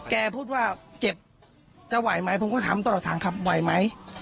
พูดว่าเจ็บจะไหวไหมผมก็ถามตลอดทางครับไหวไหม